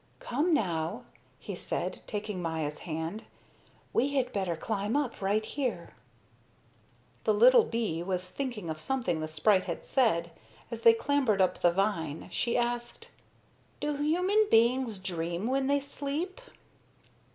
"Come now," he said, taking Maya's hand. "We had better climb up right here." The little bee was thinking of something the sprite had said, and as they clambered up the vine, she asked: "Do human beings dream when they sleep?"